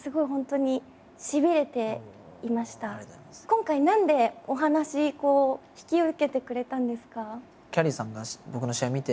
今回何でお話引き受けてくれたんですか？